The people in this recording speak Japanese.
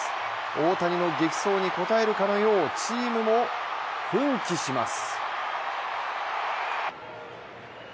大谷の激走に応えるかのよう、チームも奮起します。